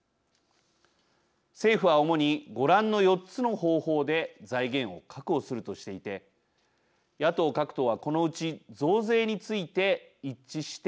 政府は主にご覧の４つの方法で財源を確保するとしていて野党各党はこのうち増税について一致して反対しています。